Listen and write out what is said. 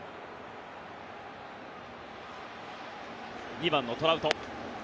２番のトラウト。